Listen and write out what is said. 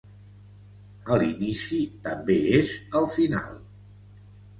A l'inici també és al final.